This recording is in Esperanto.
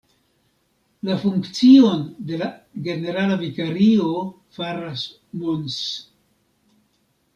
La funkcion de la generala vikario faras Mons.